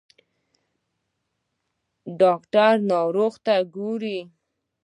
ډاکټر ناروغان ګوري.